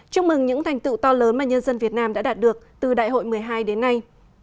chúc mừng những thành tựu to lớn mà nhân dân việt nam đã đạt được từ đại hội một mươi hai đến nay